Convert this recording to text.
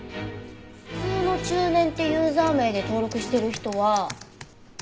普通の中年ってユーザー名で登録してる人は。